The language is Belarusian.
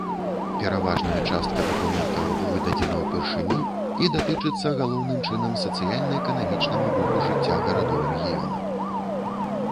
Пераважная частка дакументаў выдадзена ўпершыню і датычыцца галоўным чынам сацыяльна-эканамічнаму боку жыцця гарадоў рэгіёна.